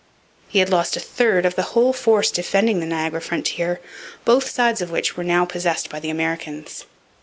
He had lost a third of the whole force defending the Niagara frontier, both sides of which were now possessed by the Americans.